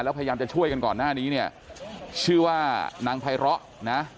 แล้วพยายามจะช่วยกันก่อนหน้านี้เนี่ยชื่อว่านางไพร้อนะ